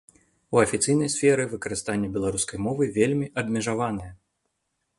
У афіцыйнай сферы выкарыстанне беларускай мовы вельмі абмежаванае.